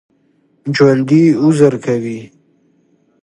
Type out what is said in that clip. ژوندي عذر کوي